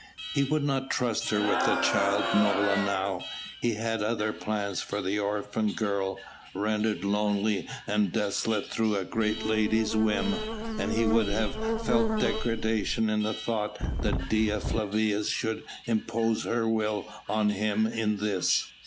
He would not trust her with the child Nola now. He had other plans for the orphan girl, rendered lonely and desolate through a great lady's whim, and he would have felt degradation in the thought that Dea Flavia should impose her will on him in this.